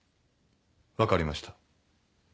分かりました。